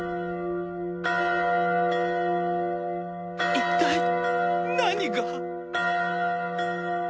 一体何が！？